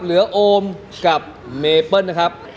โอมกับเมเปิ้ลนะครับ